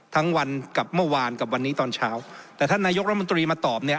ทั้งวันกับเมื่อวานกับวันนี้ตอนเช้าแต่ท่านนายกรัฐมนตรีมาตอบเนี่ย